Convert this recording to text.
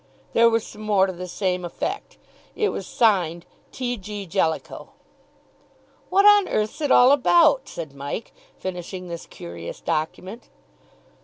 There was some more to the same effect; it was signed "T. G. Jellicoe." "What on earth's it all about?" said Mike, finishing this curious document.